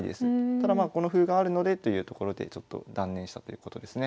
ただまあこの歩があるのでというところでちょっと断念したということですね。